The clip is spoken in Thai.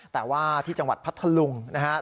แต่ว่าที่จังหวัดพัทธลุงนะครับ